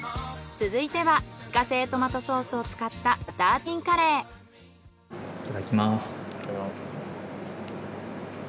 続いては自家製トマトソースを使ったいただきます。